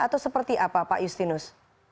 atau seperti apa pak justinus